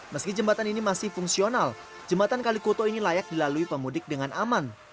meski jembatan ini masih fungsional jembatan kalikuto ini layak dilalui pemudik dengan aman